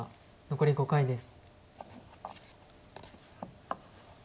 残り５回です。